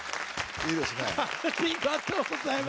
いいです。